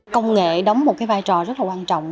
công nghệ đóng một vai trò rất quan trọng